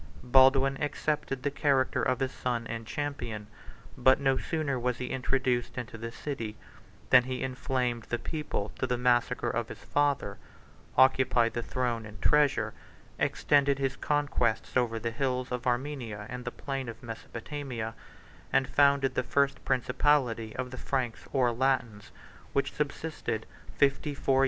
Baldwin accepted the character of his son and champion: but no sooner was he introduced into the city, than he inflamed the people to the massacre of his father, occupied the throne and treasure, extended his conquests over the hills of Armenia and the plain of Mesopotamia, and founded the first principality of the Franks or Latins, which subsisted fifty four years beyond the Euphrates.